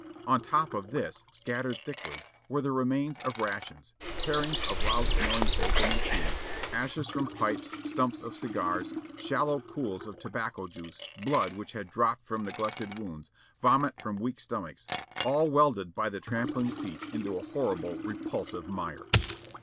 On top of this, scattered thickly, were the remains of rations, parings of loud smelling bacon and cheese, ashes from pipes, stumps of cigars, shallow pools of tobacco juice, blood which had dropped from neglected wounds, vomit from weak stomachs, all welded by the trampling feet into a horrible repulsive mire.